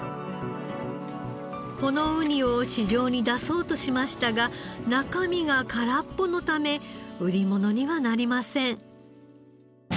このウニを市場に出そうとしましたが中身が空っぽのため売り物にはなりません。